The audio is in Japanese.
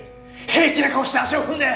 平気な顔して足を踏んで！